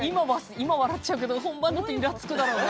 今笑っちゃうけど本番だとイラつくだろうな。